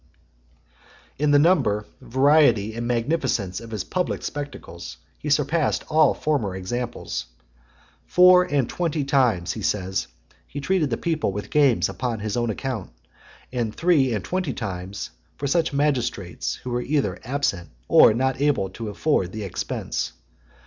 XLIII. In the number, variety, and magnificence of his public spectacles, he surpassed all former example. Four and twenty times, he says, he treated the people with games upon his own account, and three and twenty times for such magistrates as were either absent, or not able to afford the expense.